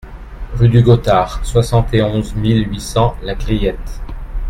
Rue du Gothard, soixante et onze mille huit cents La Clayette